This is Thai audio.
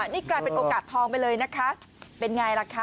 นี่กลายเป็นโอกาสทองไปเลยนะคะเป็นไงล่ะคะ